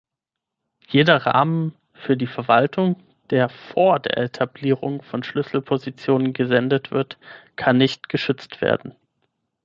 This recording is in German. Jeder Rahmen für die Verwaltung, der vor der Etablierung von Schlüsselpositionen gesendet wird, kann nicht geschützt werden.